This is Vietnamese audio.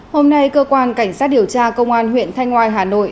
hôm nay cơ quan cảnh sát điều tra công an huyện thanh ngoai hà nội